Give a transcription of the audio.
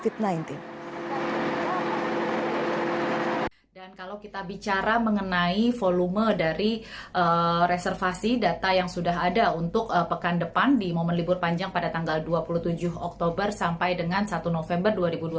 kalau kita bicara mengenai volume dari reservasi data yang sudah ada untuk pekan depan di momen libur panjang pada tanggal dua puluh tujuh oktober sampai dengan satu november dua ribu dua puluh